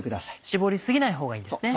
絞り過ぎないほうがいいんですね。